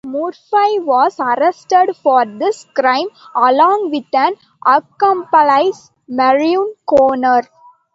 Murphy was arrested for this crime along with an accomplice, Mervyn Connor.